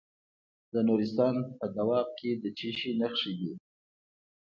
د نورستان په دو اب کې د څه شي نښې دي؟